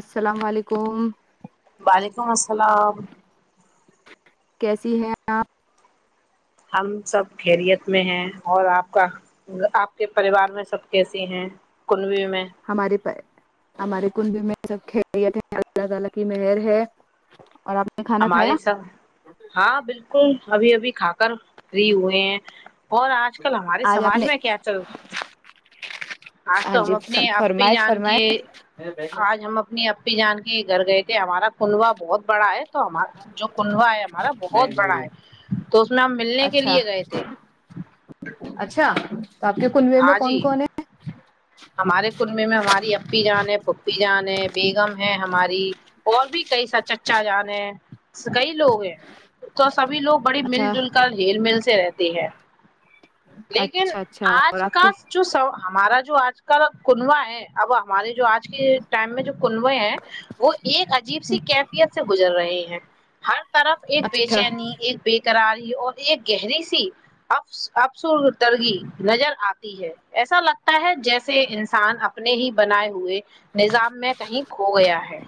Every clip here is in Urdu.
السلام علیکم ہیلو وعلیکم السلام کیسی ہے آ ہم سب خیریت میں ہیں اور آپ کا آپ کے پریوار میں سب کیسیے ہیں کچ ہماری پ ہمارے کنب میں سب کھیریت ہے اللہ تعالی کی مہر ہے اور آپ نے کھانا کھایا ہمارے ساتھ ہاں بالکل ابھی ابھی کھا کر رہی ہوئے ہیں اور آج کل ہمارے آج آپ سماج نے میں کیا چل رہا آج ہاں تو ہم جی اپنے آ ہی فرمائے جان فرمائے کے آج ہم اپنی جان کے گھر گئے تھے ہمارا کنوا بہت بڑا ہے تو ہمارا جو کنڈوا ہے ہمارا بہت بڑا ہے تو اس میں ہم ملنے کے اچھا لیے گئے تھے اچھا تو آ کے کلوے میں ہاں کون جی کون ہے ہمارے کنبے میں ہماری اپی جان ہے پپی جان ہے بیگم ہے ہماری اور بھی کئی سا چچا جانے کئی لوگ ہیں تو سبھی لوگ بڑی مل اچھا جل کر جل مل سے رہتے ہیں لیکن اچھا اچھا اور آج آپ کے کا جو س ہمارا جو جو آج کا کنوا ہے اب ہمارے جو آج کے ٹائم میں جو کنوے ہیں وہ ایک عجیب سی کیفیت سے گزر رہے ہیں ہر طرف ایک بے اچھا چینی ایک ب کراری اور ایک گہری سی افسر ترگی نظر آتی ہے ایسا لگتا ہے جیسا سے انسان اپنے ہی بنائے ہوئے نظام میں کہیں کھو گیا ہے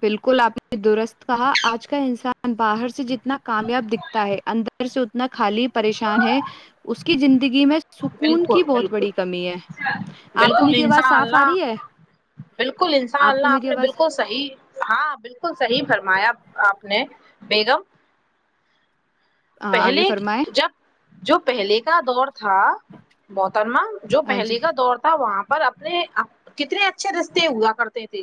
بالکل آپ نے درست کہا آج کا انسان باہر سے جتنا کامیاب دکھتا ہے اندر سے اتنا خالی پریشان ہے اس کی زندگی میں سکون کی بالکل بہت بالکل بڑی کمی ہے آپ کو بالکل میری آواز صاف آ انشاءلہ رہی ہے بالکل انشاء کو اللہ آپ میری نے آواز بالکل صحی ہاں بالکل صحی فرمایا آپ نے بیگم آگے پہلے فرمائیں جب جو پہلے کا دور تھا بوترما جو ہاں جی پہلے کا دور تھا وہاں پر اپنے کتنے اچھے رستے ہوا کرتے تھے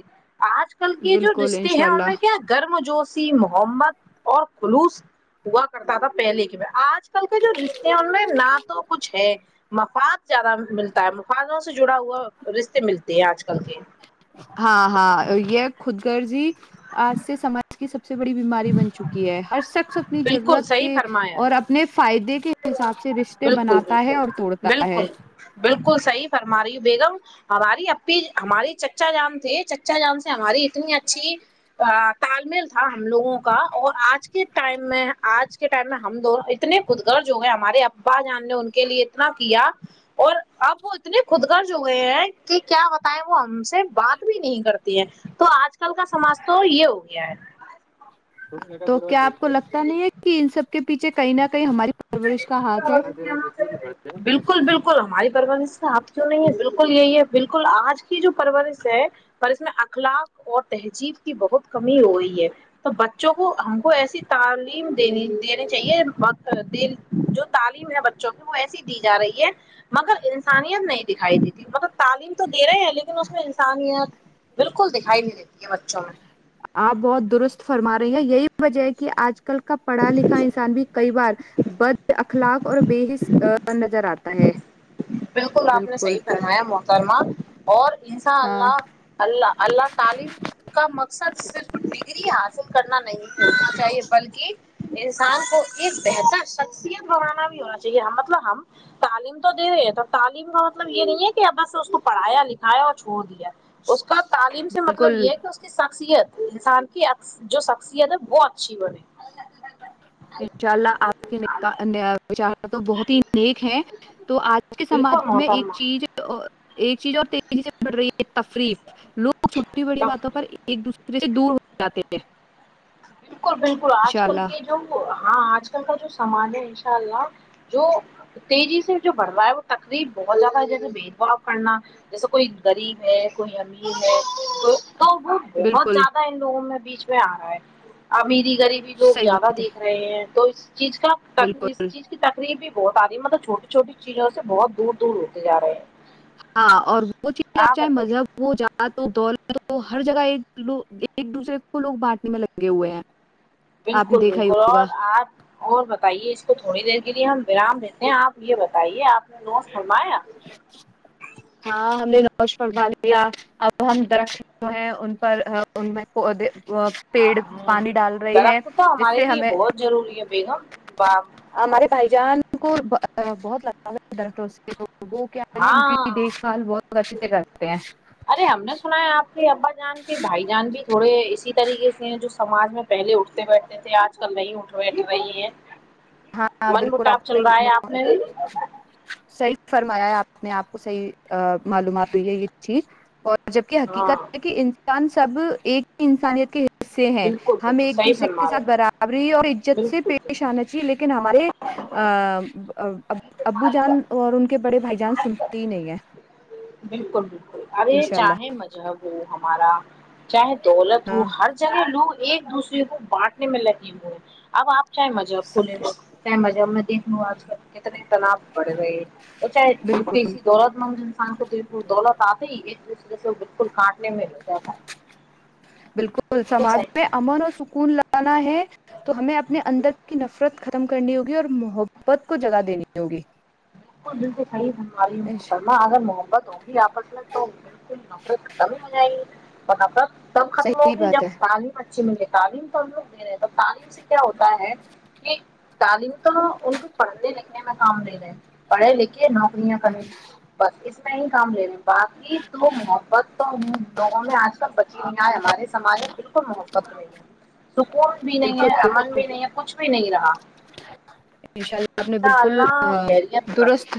آج کل کے جو بالکل رشتے انشاء ہیں ان میں اللہ کیا گرم جوشی محمد اور خلوص ہوا کرتا تھا پہلے کے بع آج کل کے جو رشتے ہیں ان میں نہ تو کچھ ہے مفاد زیادہ ملتا ہے مخانوں سے جڑا ہوا رشتے ملتے ہیں آج کل کے ہاں ہاں یہ خود گر جی آج سے سماج کی سب سب سے بڑی بیماری بن چکی ہے ہر شخص اپنی بالکل ضرورت صحیح کے فرمایا اور اپنے فائدے کے حساب سے رشتے بالکل بناتا ہے بالکل اور توڑتا ہے ہماری بیگم ہماری اپ ہماری چچا جام تھے چچا جام سے ہماری اتنی اچھی تال مل تھا ہم لوگوں کا اور آج کے ٹائم میں آج کے ٹائم میں ہم دونوں اتنے خود گرج ہو گئے ہمارے ابا جان نے ان کے لیے اتنا کیا اور اب وہ اتنے خود گرج ہو گئے ہیں کہ کیا بتائے وہ ہم سے بات بھی نہیں کرتی ہے تو آج کل کا سماج تو یہ ہو گیا ہے ا تو کیا آپ کو لگتا نہیں ہے کہ ان سےب کہ پیچے کئی نہ کہیں ہماری پرورش کا ہاتھ ہے بالکل بالکل ہماری پرورش تو آپ کیوں نہیں ہے بالکل بالکل یہی ہے بالکل آج کی جو پرورش ہے پر اس میں اخلاق اور تہذیب کی بہت کمی ہوی ہے تو بچوں کو ہم کو ایسی تعلیم دینی دینی چاہیے د جو تعلیم ہے بچوں کی وہ ایسی دی جا رہی ہے مگر انسانیت نہیں دکھائی دیتی مگر تعلیم تو دے رہے ہیں لیکن اس میں انسان یہ بالکل دکھائی نہیں دیتی ہے بچوں میں رہ یہی وجہ ہے کہ آج کل کا پڑھا لکھا انسان بھی کئی بار بد اخلاق اور بےحس نظر آتا ہے بالکل آپ نے صحی فرمایا موقع سرما اور [unintelligible] انسان ہاں اللہ اللہ اللہ تعلیم کا مقصد صرف ڈگری حاصل کرنا نہیںنا چاہیے بلکہ انسان کو ایک بہتر شخصیت بنانا بھی ہونا چاہیے مطلب ہم تعلیم تو دے رہے ہیں ب تعلیم کا مطلب یہ نہیں ہے کہ ا بس اس کو پڑھایا لکھایا اور چھوڑ دیا اس کا تعلیم سے مطلب بالکل یہ ہے کہ اس کی س شخصیت انسان کی جو شخصیت ہے وہ اچھی بنے انشاء اللہ آپ کے تو بہت ہی نیک ہے تو آج کے سماج بالکل میں ایک محترمہ چیز ایک چیز اور تیزی سے بڑھ رہی ہے تفریف لوگ چھوٹی بڑی باتوں پر ایک دوسرے سے دور ہو جاتے تھے [unintelligible] بالکل بالکل آج کل کے جو ہاں آج کل کا جو سامان ہے ان شاء اللہ جو تیزی سے جو بڑھ رہا ہے وہ تقریب بہت زیادہ ہے جیسے بھید بھاؤ کرنا جیسے کوئی غریب ہے کوئی امیر ہے تو وہ بہت بالکل زیادہ ان لوگوں میں بیچ آ رہا ہے امری [unintelligible] غریبی لوگ صحیح زیادہ بات ہے دیکھ رہے ہیں تو اس چیز کا ت اس بالکل چیز کی تقریب بھی بہت آدی مطلب چھوٹی چھوٹی چیزوں سے بہت دور دور ہوتے ج رہے ہیں ہاں اور وہ چیز آپ چاہے مذہب ہو ج دول ہر جگہ ایک [unintelligible] لو ایک دوسرے کو لوگ بانٹنے میں لگے ہوئے ہیں آپ نے بالکل دیکھا ہی بالکل ہوگا اور آپ اور بتائیے اس کو تھوڑی دیر لیے ہم ورام دیتے ہیں آپ یہ بتائیے آپ فرمایا [unintelligible] ڈالیا اب ہم درخت ہیں ان پر ان میں [unintelligible] پیڑ ہوں، پانی ڈال رہے ہیں درخت تو جس ہمارے سے لیے ہمیں بہت ضروری ہے بیگم با- ہمارے بھائی جان کو ا بہت لا [inaudible] ادر تو [unintelligible] وہ کیا ہے ان کی ہاں دیکھ بھال بہت اچھے سے کرتے ہیں ارے ہم نے سنا ہے آپ ابا جان کے بھائی جان بھی تھوڑے اسی طریقے سے ہیں جو سمج میں پہلے اٹھتے بیٹھتے تھے آج کل نہیں اٹھ بیٹ رہی ہیں ہاںاں من بالکل آپ مٹاپ نے چل رہا ہے آپ نے صحی فرمایا آپ اپنے آپ کو صحیح معلومات ہوئی ہے یہ چیز اور اور جبک ہاں حقیقت ہے کہ انسان سب ایک انسانیت کے ے ہیں بالکل ہم بالکل ایک صحیح دوسرے کے فرما رہے ساتھ ہیں برابری اور عزت سے بالکل پیش بالکل آنا ج لیکن ہمارے ابو جان اور ان کے بڑے بھائی جان سنتے ہی نہیں ہیں بالکل بالکل ارے چاہیں مجہب وہ ہم ہمارا چاہ دولت ہ ہاں ہر لوگ ایک دوسرے کو بانٹنے میں لگے ہوئے [inaudible] اب آپ چاہے مذہب کھولے لو چاہ مذہب میں دیکھ لو آج کل کتنے تنا بڑ رہے ہیں اور بالکل چاہےسی دولت مند انسان کو دیکھ لو دولت آتے ہی [unintelligible] بالکل ک [inaudible] نہیں مل تھاا [inaudible] بالکل سماج میں امن اور سکون ل [unintelligible] ہے تو ہمیں اپنے اندر کی نفرت ختم کرنی ہوگی اور محبت کو جگہ دینی ہوگی [unintelligible] بالکل بالکل صحیح ہم والی محکرمہ اگر محبت ہوگی آپس میں [unintelligible] اوک [inaudible] نوکری کمی ہو ج [inaudible] بناابر [inaudible] تب ختم صحیح ہوگی بات جب ہے پالی م [unintelligible] اچ مل تعلیم تو ہم لوگ دے رہے ہیں تو تعلیم سے کیا ہوتا ہے کہ تعلیم تو ان کو پڑھنے لکھنے میں کام دے رہے ہیں [inaudible] پھے لکھے [inaudible] کیا نوکرں ہاں کریں بس اس [inaudible] میں ہی کام لے گا [inaudible] باقی تو محبت تو لوگوں میں آج کل بچی نہیں آئے ہمارے سماج میں بالکل محبت [inaudible] اک [inaudible] سکون بھی نہیں بالکل ہے امن بالکل بھی نہیں ہے کچھ بھی نہیں رہا انشاء اللہ آپ نے بالکل اللہ خریت [unintelligible] درست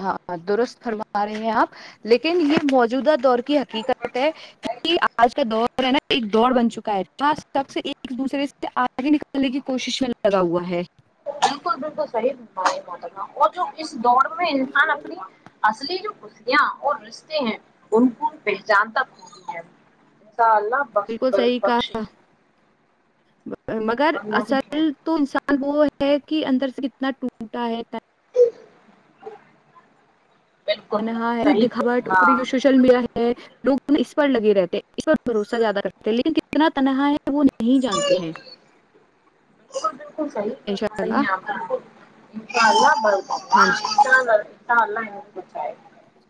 ہاں درست [inaudible] فروا رہے ہیں آپ لیکن یہ موجودہ دور کی حقیقت ہے کہ آج کا دور ہے نا ایک دڑ بن چکا ہے سب سے [inaudible] ایک دوسرے سے آگے نکالنے کی کوشش میں لگا ہوا ہے [inaudible] بالکل بالکل صحیح ما اور جو دوڑ میں انسان اپنی اصلی جو کیاں اور رشتے ہیں ان کو پہچان تک ہوتی ہے سال بہ بالکل بخت صحیح بخشی کہا مگر اصل تو انسان وہ ہے کہ اندر سے کتنا ٹوٹا ہے بالکل تنہا بالکل صحیح بول- دکھاوٹ اری جو ہاں سوشل میڈیا ہے لوگ اس پر لگے رہتے اس بھروسہ زیادہ کرتے لیکن کتنا تنہا ہے وہ نہیں جانتے ہیں بالکل صحیح انشاء فرما رہی ہیں اللہ آپا آپ ہاں جی انشاء اللہ [unintelligible] تا اللہ ہے کچھ ہے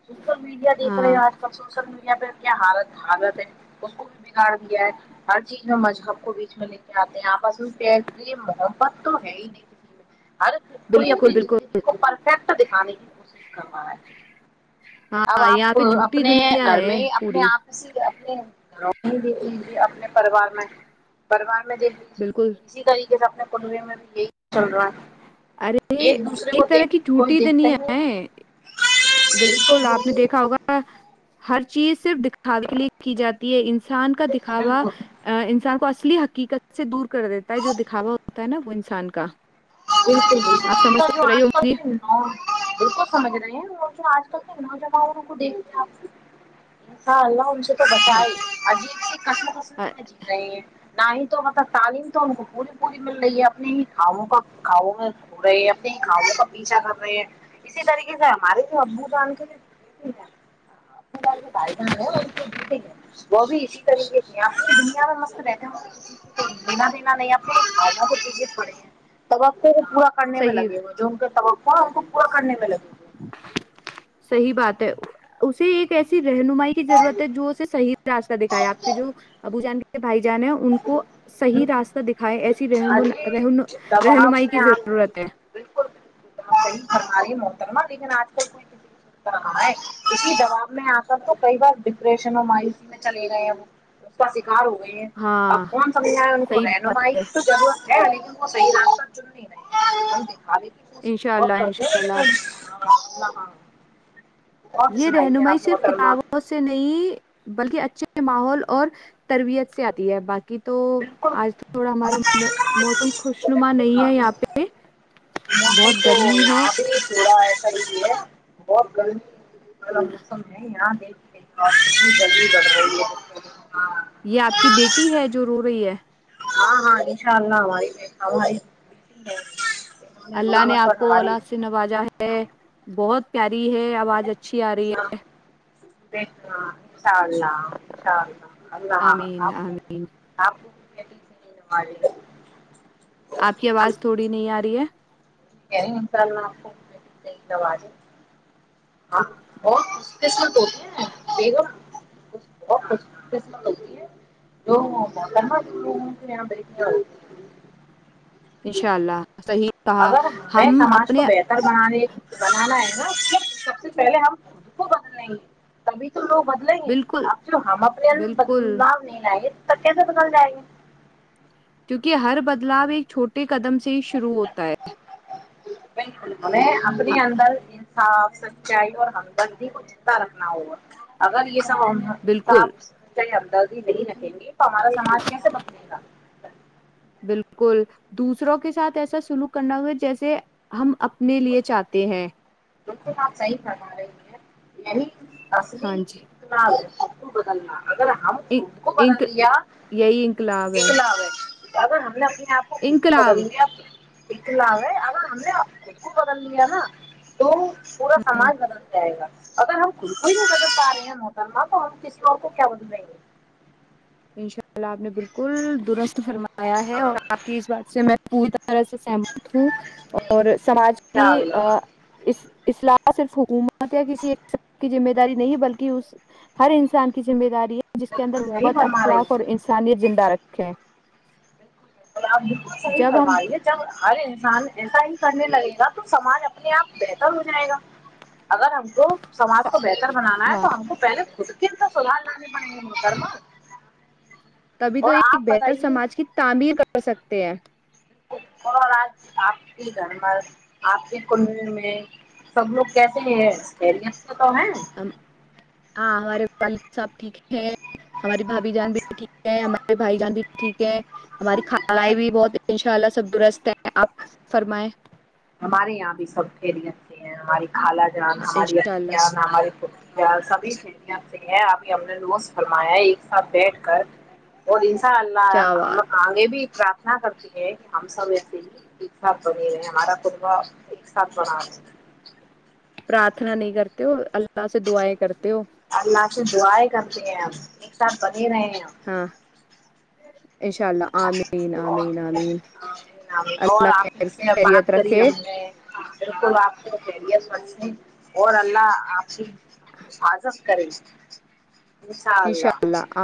سوشل میڈیا دیکھ رہے ہیں ہاں آج کل سوشل میڈیا پہ کیا حالت حالت ہے اس کو بھی بگاڑ دیا ہے ہر چیز میں مذہب کو بیچ میں لے کے آتے ہیں آپسوتے ہیں یہ محبت تو ہے ہی نہیں کسی میں ہر کوئی بالکل اپنی بالکل زندگی کو پرفیکٹ دکھانے کی کوشش کر رہا ہے اب ہاں یہاں آپ پہ جھوٹی اپنے دنیا گھر ہے میں اپنے پوری آپ جی اپنے پریوار میں پار میں بالکل اسی طری اپنے پنوی میں بھی یہی چل رہا ارے ہے ایک دوسرے کو طرح دیکھ کی کوئی جھوٹی دیکھتا ہی دنیا نہیں ہے بالکل آپ نے دیکھا ہوگا ہر چیز صرف دکھاوے کے لیے کی جاتی ہے انسان کا دکھاوا انسان کو حقیقت سے دور کر دیتا ہے جو دکھا ہوتا ہے نہ وہی سان کا وہ آپ سمجھ تو رہی آج ہوں کل گی کے نوجوان بلکل سمجھ رہی ہوں وہ جو آج کل تھ نوجوان کو دیکھتے ہیں انشاءاللہ تو بچائی ہاں اور جی سے کس کس جل رہے ہیں نہ ہی تو مطلب تعلیم تو ان کو پوری پوری مل رہی ہے اپنے ہی گھؤوں کا گھؤوں میں دھو رہے ہیں اپنے کھاؤوں کا پیچھا کر رہے ہیں اسی طریقے سے ہمارے جو ابو توان کے جو بی ہیں گ کے بائی جان ہیں اور ان کے بیٹے ہیں وہ بھی اسی طریقے سے آپوری دنیا میں مست رہتے ہیں کو لینا دینا نہیں اپنےھوں کو چیزیں پڑے ہیں توب پورا کرنے میں لگے ہوئے جو ان کے سب صی بات اسے ایک ایسی رہنمائی کی ضرورت ہے جو اسے صحیح رستہ دکھایا آپ کے جو ابو جان کے بھائی جان ہے ان کو صحیح راستہ دکھائے ایسی ارے دباب رہنمائی کی ضرورت ہے ی گھرم رہے محترمہ لیکن آج کل کوئی کسیتا رہا ہے اسی جواب میں آ کر تو کئی بار ڈپریشن اور مایوسی میں چلے گئے ہیں وہ اس کا شکار ہو گئے ہیں ہاں اپ س ان کو صحیح رہے ن بات ہے مضور ی را نہیں کے کی انشاء اور اللہ انشاء اللہ کرتےاں یہ رہنمائی صرف محترمہ کتابوں سے نہیں بلکہ اچھے ماحول اور تربیت سے آتی ہے باقی تو بالکل آج تو تھوڑا ہمارا موسم خوش نما نہیں ہے یہاں بالکل پہ موسم بہت تو گرمی ہے یہاں بھی تھوڑا ایسا ہے بہت گند ا موسم ہے ہی یہ جی گڑ رہ ہے ہاں یہ آپ کی بیٹی ہے جو رو رہی ہے ہاں ہاں ان شاء اللہ ہماری ہماری انہوں رو اللہ رو نے آپ کر کو ہماری ا سے نوازا ہے بہت پیاری ہے آواز اچھی آ رہی ہے ا ہاں اء اللہاء اللہ اللہ آمین آپ آمین آپ والے آپ کی آواز تھوڑی نہیں آ رہی ہے انشاء اللہ آپجیں ہاں وہ س بیگم ت قسمت ہوتی ہے کروگ یہاں ب [unintelligible] انشاء اللہ صحیح کہا اگر ہمیں ہم سماج کو اپنے بہتر بنانے بنا نا سب سے پہلے ہم خ کو بدل لیں گے تبھی تو لوگ بدلیں گے بالکل اب تو ہم اپنے اندر بالکل بدلاؤ نہیں لائےیںے پکے سے بکل جائے گی کیونک ہر بدلاؤ ایک چھوٹے قدم سے ہی شروع ہوتا ہے پینٹ ان اپنی ہاں اندر صف سچائی اور ہمدردی کو چندتا رکھنا ہوگا اگر یہ بالکل سب سےدر نہیں رکھیں گے تو ہمارا سماج کیسے بدلے گا بالکل دوسروں کے ساتھ ایسا سلوک کرنا ہوگا جیسے ہم اپنے لیے چاہتے ہیں بالکل تو آپ صحیح فما رہی ہیں اس ہاں جی نہیںنا ابتو بدلنا اگر ہم ان- خود کو بدل انق- لیا یہی انقلاب ہے کتنا اگر ہم نے اپ آپ کو بل انقلاب گے آپ سک لوے آا ہمکو بدل نا تو پورا ہ سماج بدل جائے گا اگر ہم خود کوئی بھی بدل پا رہے ہیں موترم تو ہم کسی اور کو کیا بدلیں گے انشاء اللہ آپ نے بالکل درست فرمایا ہے ہاں اور آپ کی اس بات سے میں پتار سمپ تھو اور سماج کی انشاء اللہ اس الاح صرف حکومت متیا کسی ایک کی ذمہ داری د نہیں بلکہ اس ہر انسان کی ذمہ داری جس کے بالکل اندر صحیح محبت ا فرما رہی اخلاف ہیں اور انسانیت زندہ رکھ کیا اور آپ بالکل صحیح کروائیے جب ہر انسان ایسا ہی کرنے لگے گا تو سماج اپنے آپ بہتر ہو جائے گا اگر ہم کو ساج کو بہتر بنانا ہے ہاں تو ہم کو پہلے خود کتاسو رہا لانے بائ مترم تبھی تو ایک بہتر سماج کی تعمیر کر سکتے ہیں اور آج آپ کی گھرمت آپ کی کن میں سب لوگ کیس ہیںریس تو تو ہے ہم ہاں ہمارے والد صاحب ٹھیک ہے ہماری بھابھی جان بھی ٹھیک ہے ہمارے بھائی جان بھی ٹھیک ہے ہماری خھالائی بھی بہت ہے ان شاء اللہ سب درست ہیں آپ فرمائیں ہمارے یہاں بھی سب پھیلی اچھی ہیں ہماری کالا جان ہماری انشاء اھی اللہ جان ہماری پ سبھی سلیاں سے ہیں ابھی ہم نے روز فرمایا ایک ساتھ بیٹھ کر اور چا اللہ کیا ہم بات آگے بھی اتنا کرتی ہیں کہ ہم سب ایسے ہی ٹھیک ٹھاک بنے ہوے ہیں ہمارا پبہ ایک سنا پرارھنا نہیں کرتے ہو اللہ [inaudible] سے دعائیں کرتے ہو اللہ سے دعائیں کرتے ہیں ہمب اگزامپل یہ دا ہاں [inaudible] اللہ آمین آمین آمین اور اللہ آپ خیر سے خیریت بات کری رکھے ہم نے بالکل آپ کو خیریت بنیں اور اللہ آپ کی حفاظت کرے انشاءاللہ انشاء اللہ